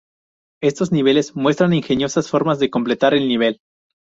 Estos niveles muestran ingeniosas formas de completar el nivel.